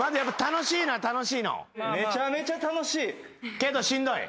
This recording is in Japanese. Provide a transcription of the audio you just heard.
けどしんどい？